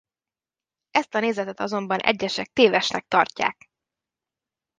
Ezt a nézetet azonban egyesek tévesnek tartják.